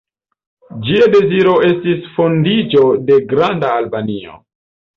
Ĝia deziro estis fondiĝo de Granda Albanio.